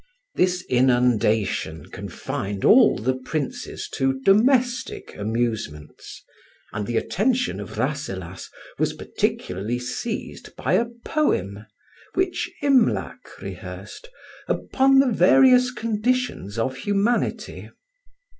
This inundation confined all the princes to domestic amusements, and the attention of Rasselas was particularly seized by a poem (which Imlac rehearsed) upon the various conditions of humanity.